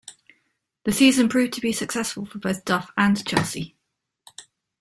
The season proved to be successful for both Duff and Chelsea.